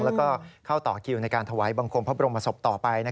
แล้วก็เข้าต่อคิวในการถวายบังคมพระบรมศพต่อไป